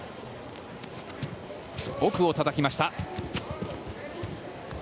奥をたたきました。